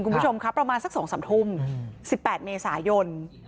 คุณผู้ชมครับประมาณสัก๒๓ทุ่ม๑๘เมษายน